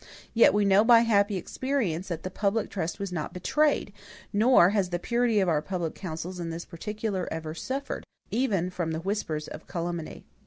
Yet we know by happy experience that the public trust was not betrayed; nor has the purity of our public councils in this particular ever suffered, even from the whispers of calumny.